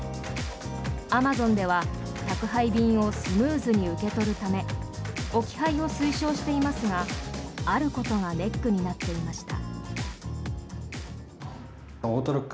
アマゾンでは宅配便をスムーズに受け取るため置き配を推奨していますがあることがネックになっていました。